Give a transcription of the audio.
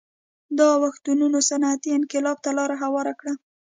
دا اوښتونونه صنعتي انقلاب ته لار هواره کړه